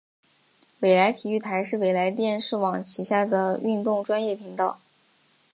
纬来体育台是纬来电视网旗下的运动专业频道。